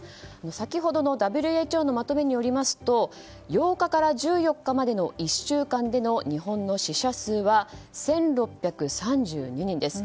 先ほどのＷＨＯのまとめによりますと８日から１４日までの１週間の日本の死者数は１６３２人です。